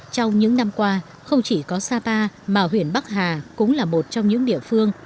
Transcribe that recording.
trong những năm qua không chỉ có sapa mà huyện bắc hà cũng là một trong những địa phương